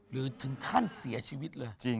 หรือถึงขั้นเสียชีวิตเลย